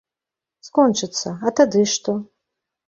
Скончыцца, а тады што?